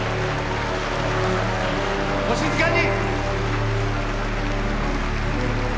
お静かに！